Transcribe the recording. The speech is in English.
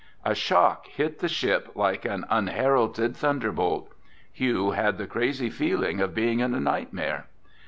A shock hit the ship like an unheralded thunderbolt. Hugh had the crazy feeling of being in a nightmare.